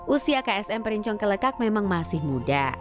usia ksm perincong kelekak memang masih muda